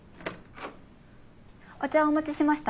お茶をお持ちしました。